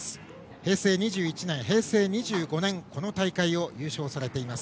平成２１年、平成２５年この大会を優勝されています。